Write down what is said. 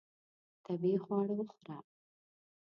طبیعي خواړه وخوره.